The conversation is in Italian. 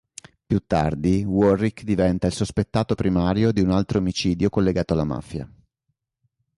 Più tardi, Warrick diventa il sospettato primario di un altro omicidio collegato alla mafia.